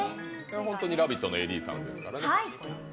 本当に「ラヴィット！」のＡＤさんですからね。